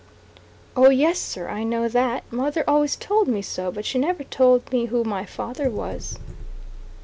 "Oh, yes, Sir, I know that; mother always told me so; but she never told me who my father was."